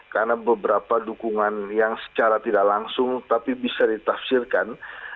karena beberapa dukungan yang secara tidak langsung tapi bisa ditafsirkan